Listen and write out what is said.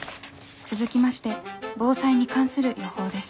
続きまして防災に関する予報です。